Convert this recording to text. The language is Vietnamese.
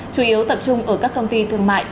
chủ yếu tập trung ở các công ty thương mại